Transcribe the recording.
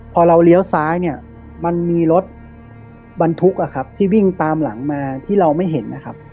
พอเราเลี้ยวซ้ายเนี่ยมันมีรถบรรทุกที่วิ่งตามหลังมาที่เราไม่เห็นนะครับ